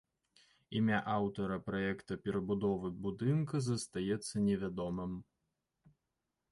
Імя аўтара праекта перабудовы будынка застаецца невядомым.